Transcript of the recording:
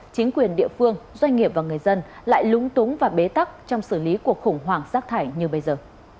chính quyền địa phương doanh nghiệp và người dân lại lúng túng và bế tắc trong xử lý cuộc khủng hoảng rác thải như bây giờ